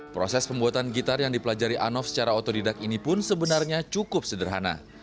proses pembuatan gitar yang dipelajari anof secara otodidak ini pun sebenarnya cukup sederhana